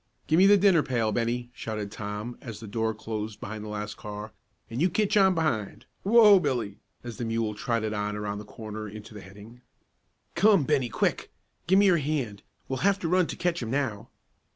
"Give me the dinner pail, Bennie!" shouted Tom, as the door closed behind the last car, "an' you catch on behind Whoa, Billy!" as the mule trotted on around the corner into the heading. "Come, Bennie, quick! Give me your hand; we'll have to run to catch him now."